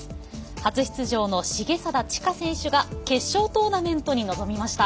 初出場の重定知佳選手が決勝トーナメントに臨みました。